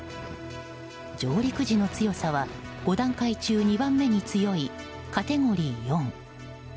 上陸時の強さは５段階中２番目に強いカテゴリー４。